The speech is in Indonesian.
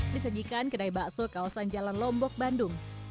di segikan kedai bakso kawasan jalan lombok bandung